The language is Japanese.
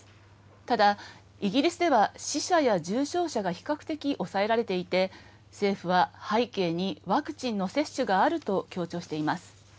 ただ、イギリスでは死者や重症者が比較的抑えられていて、政府は背景にワクチンの接種があると強調しています。